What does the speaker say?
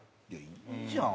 いいじゃん。